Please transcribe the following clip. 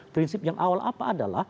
prinsip yang awal apa adalah